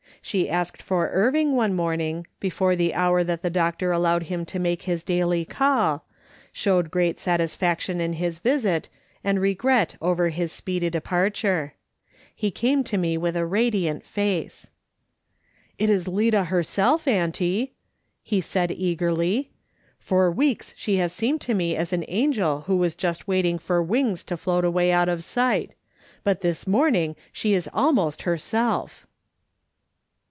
She asked for Irving, one morning, before the hour that the doctor allowed him to make his daily call, showed great satisfaction in his visit, and regret over his speedy departure. He came to me with a radiant face. " It is Lida herself, auntie," he said eagerly ;" for weeks she has seemed to me like an angel who was just waiting for wings to float away out of sight; but this morning she is almost herself."